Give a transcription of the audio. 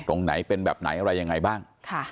ตรงไหนเป็นแบบไหนอะไรยังไงบ้าง